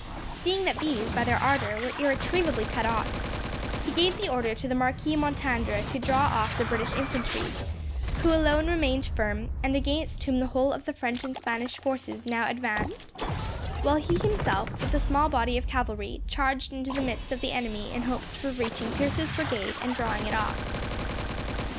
Seeing that these, by their ardour, were irretrievably cut off, he gave the order to the Marquis Montandre to draw off the British infantry, who alone remained firm, and against whom the whole of the French and Spanish forces now advanced; while he himself with a small body of cavalry, charged into the midst of the enemy in hopes of reaching Pierce's brigade and drawing it off.